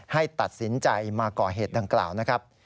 ให้ตัดสินใจมาก่อเหตุดังกล่าวนะครับ